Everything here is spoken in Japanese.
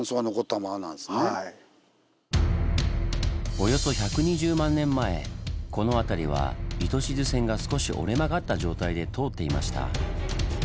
およそ１２０万年前この辺りは糸静線が少し折れ曲がった状態で通っていました。